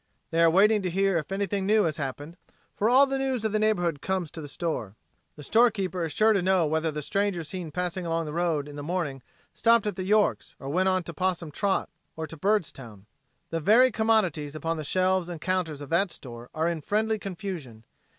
They are waiting to hear if anything new has happened, for all the news of the neighborhood comes to the store. The storekeeper is sure to know whether the stranger seen passing along the road in the morning stopped at the York's, or went on to Possum Trot or to Byrdstown. The very commodities upon the shelves and counters of that store are in friendly confusion.